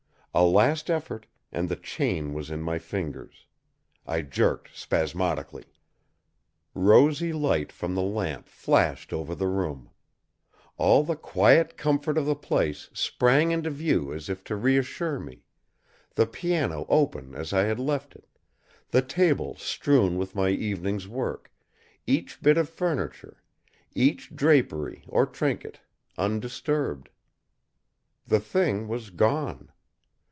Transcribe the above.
A last effort, and the chain was in my fingers. I jerked spasmodically. Rosy light from the lamp flashed over the room. All the quiet comfort of the place sprang into view as if to reassure me; the piano open as I had left it, the table strewn with my evening's work, each bit of furniture, each drapery or trinket undisturbed. The Thing was gone.